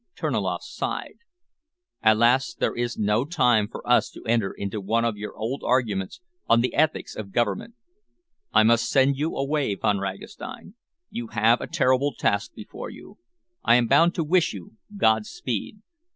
Terniloff sighed. "Alas! there is no time for us to enter into one of our old arguments on the ethics of government. I must send you away, Von Ragastein. You have a terrible task before you. I am bound to wish you Godspeed.